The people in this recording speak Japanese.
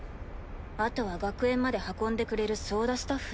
あとは学園まで運んでくれる操舵スタッフね。